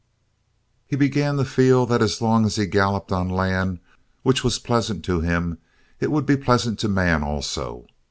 He began to feel that as long as he galloped on land which was pleasant to him it would be pleasant to man also.